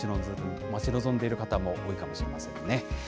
待ち望んでいる方も多いかもしれませんね。